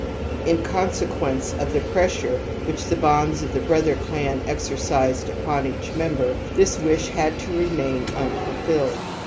/ In consequence of ^he pressure which the bonds of the brother clan exercised upon each member, this wish had to remain unfulfilled.